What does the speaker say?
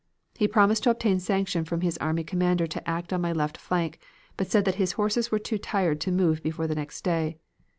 He promised to obtain sanction from his army commander to act on my left flank, but said that his horses were too tired to move before the next day.